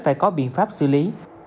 phải có biện pháp xử lý